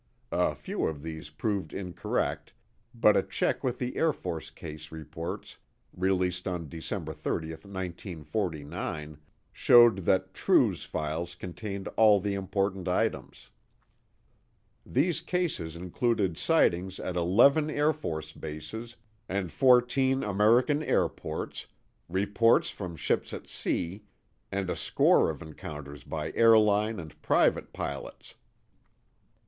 (A few of these proved incorrect, but a check with the Air Force case reports released on December 30, 1949, showed that True's files contained all the important items.) These cases included sightings at eleven Air Force bases and fourteen American airports, reports from ships at sea, and a score of encounters by airline and private pilots.